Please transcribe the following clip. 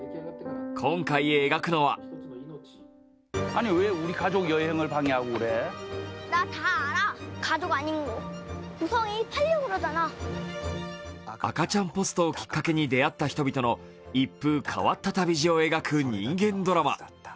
今回描くのは赤ちゃんポストをきっかけに出会った人々の一風変わった旅路を描く人間ドラマ。